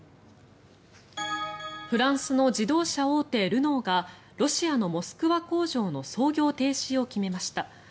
フランスの自動車大手ルノーがロシアのモスクワ工場の操業停止を決めました。